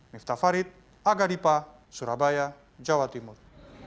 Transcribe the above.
miftah farid aga dipa surabaya jawa timur